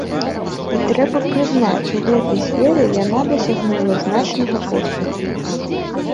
І трэба прызнаць, у гэтай сферы яна дасягнула значнага поспеху.